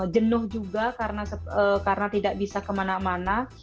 jenuh juga karena tidak bisa kemana mana